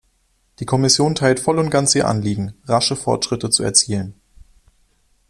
Die Kommission teilt voll und ganz Ihr Anliegen, rasche Fortschritte zu erzielen.